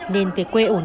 nên về quê ổn hơn